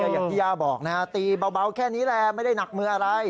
อย่างที่ย่าบอกนะฮะตีเบาแค่นี้แหละไม่ได้หนักมืออะไร